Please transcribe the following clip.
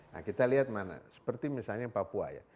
nah kita lihat mana seperti misalnya papua ya